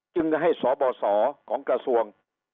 จึงให้สบศของกม